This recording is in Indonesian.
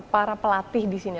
para pelatih disini